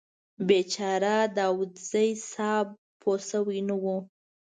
بیچاره داوودزی صیب پوه شوي نه و.